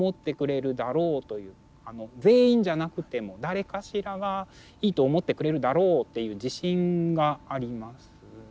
全員じゃなくても誰かしらがいいと思ってくれるだろうっていう自信があります。